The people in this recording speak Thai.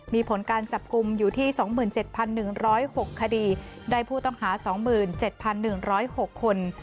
มีผลการจับกลุ่มอยู่ที่๒๗๑๐๖คดีได้ผู้ต้องหา๒๗๑๐๖คน